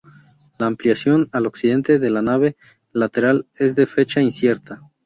La ampliación al occidente de la nave lateral es de fecha incierta.